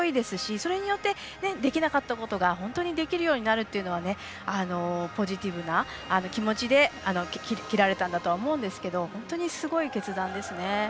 それによってできなかったことが本当にできるようになるのはポジティブな気持ちで切られたんだとは思うんですけど本当にすごい決断ですね。